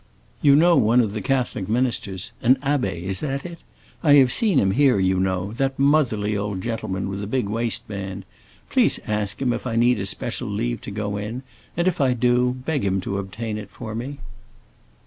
You know one of the Catholic ministers—an abbé, is that it?—I have seen him here, you know; that motherly old gentleman with the big waistband. Please ask him if I need a special leave to go in, and if I do, beg him to obtain it for me."